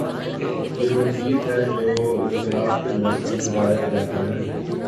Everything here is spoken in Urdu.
یہ وہ گیت ہے جو انقلاب کے موسم میں گایا جاتا ہے۔